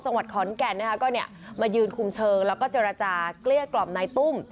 จังหวัดขอนแก่นนะคะก็เนี่ยมายืนคุมเชิงแล้วก็เจรจาเกลี้ยกล่อมนายตุ้ม